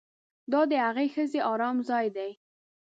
دا د هغې ښځې ارام ځای دی